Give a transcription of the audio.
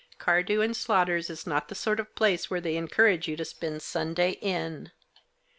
Cardew & Slaughter's is not the sort of place where they encourage you to spend Sunday in.